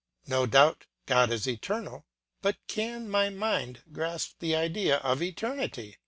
No doubt God is eternal; but can my mind grasp the idea of eternity?